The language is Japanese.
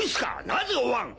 なぜ追わん！